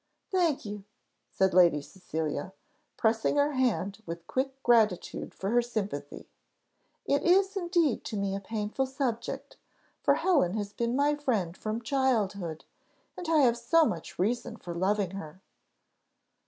"Thank you," said Lady Cecilia, pressing her hand with quick gratitude for her sympathy. "It is indeed to me a painful subject, for Helen has been my friend from childhood, and I have so much reason for loving her!"